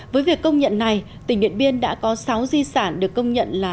với việc công nhận này tỉnh điện biên đã có sáu di sản được công nhận là